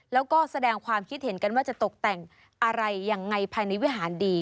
แล้วก็แสดงความคิดเห็นกันว่าจะตกแต่งอะไรยังไงภายในวิหารดี